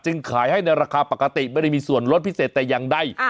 ขายให้ในราคาปกติไม่ได้มีส่วนลดพิเศษแต่อย่างใด